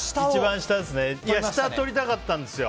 下取りたかったんですよ。